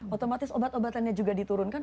otomatis obat obatannya juga diturunkan